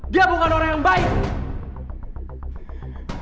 dia bukan orang yang baik